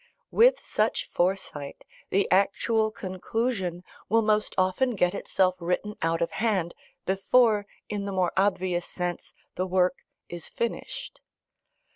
With such foresight, the actual conclusion will most often get itself written out of hand, before, in the more obvious sense, the work is finished.